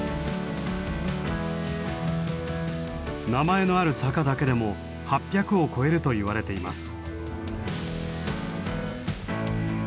名前のある坂だけでも８００を超えるといわれています。